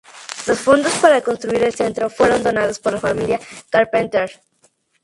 Los fondos para construir el centro fueron donados por la familia Carpenter.